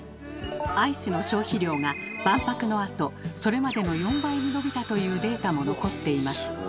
アイスの消費量が万博のあとそれまでの４倍に伸びたというデータも残っています。